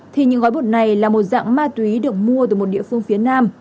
thì những gói bột này là một dạng ma túy được mua từ một địa phương phía nam